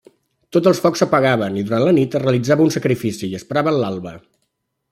Tots els focs s'apagaven i durant la nit es realitzava un sacrifici, i esperaven l'alba.